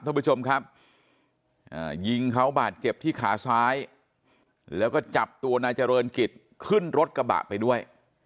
ท่านผู้ชมครับยิงเขาบาดเจ็บที่ขาซ้ายแล้วก็จับตัวนายเจริญกิจขึ้นรถกระบะไปด้วย